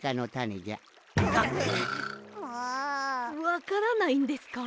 わからないんですか？